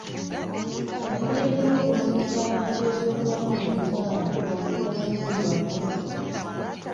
Kakuyege w'okumanyisa abantu ebyobulamu mu kuzaala wa mugaso nnyo mu bavubuse.